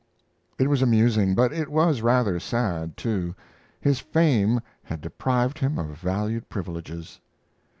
It was amusing, but it was rather sad, too. His fame had deprived him of valued privileges.